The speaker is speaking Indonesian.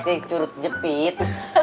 kayak curut jepit